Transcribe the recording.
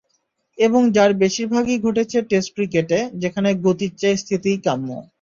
এবং যার বেশির ভাগই ঘটেছে টেস্ট ক্রিকেটে, যেখানে গতির চেয়ে স্থিতিই কাম্য।